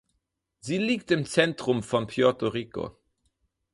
Sie liegt im Zentrum von Puerto Rico.